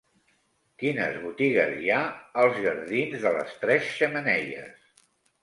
Quines botigues hi ha als jardins de les Tres Xemeneies?